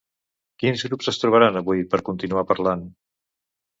Quins grups es trobaran avui per continuar parlant?